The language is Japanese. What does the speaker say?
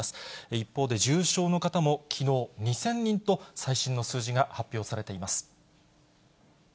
一方で重症の方もきのう２０００人と、最新の数字が発表されています。